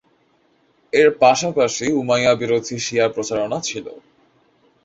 এর পাশাপাশি উমাইয়া বিরোধী শিয়া প্রচারণা ছিল।